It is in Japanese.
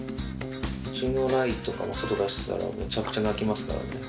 うちの雷とかも外に出したら、めちゃくちゃ鳴きますからね。